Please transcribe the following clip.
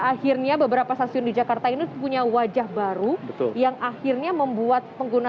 akhirnya beberapa stasiun di jakarta ini punya wajah baru yang akhirnya membuat pengguna